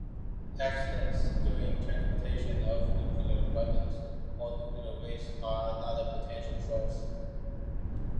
Accidents during transportation of nuclear weapons or nuclear waste are another potential source.